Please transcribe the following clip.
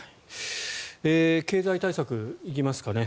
経済対策行きますかね。